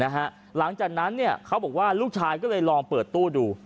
หลังจากนั้นเขาบอกว่าลูกชายก็เลยลองเปิดตู้ดู